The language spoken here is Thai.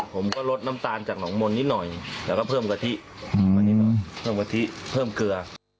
ผมก็ลดน้ำตาลจากน้องมนนิดหน่อยแล้วก็เพิ่มกะทิเพิ่มเกลือ